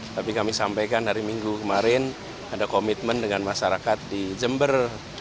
tapi kami sampaikan hari minggu kemarin ada komitmen dengan masyarakat di jember